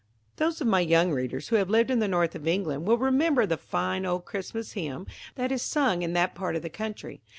Those of my young readers who have lived in the north of England, will remember the fine old Christmas hymn that is sung in that part of the country.